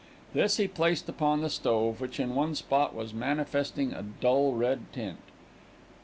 This he placed upon the stove, which in one spot was manifesting a dull red tint.